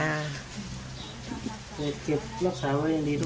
จะเก็บรักษาไว้อย่างดีดู